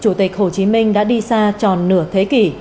chủ tịch hồ chí minh đã đi xa tròn nửa thế kỷ